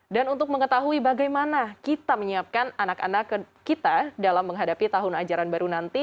dan untuk mengetahui bagaimana kita menyiapkan anak anak kita dalam menghadapi tahun ajaran baru nanti